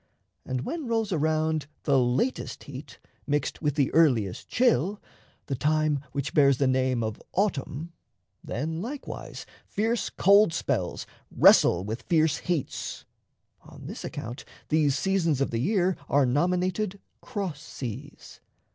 And when rolls round The latest heat mixed with the earliest chill The time which bears the name of autumn then Likewise fierce cold spells wrestle with fierce heats. On this account these seasons of the year Are nominated "cross seas."